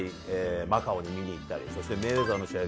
マカオに見に行ったりメイウェザーの試合